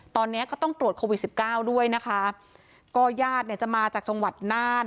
ตอนนี้ก็ต้องตรวจโควิดสิบเก้าด้วยนะคะก็ญาติเนี่ยจะมาจากจังหวัดน่าน